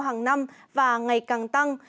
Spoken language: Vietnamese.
hàng năm và ngày càng tăng